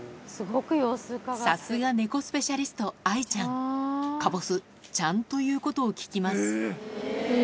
さすが猫スペシャリスト愛ちゃんかぼすちゃんと言うことを聞きます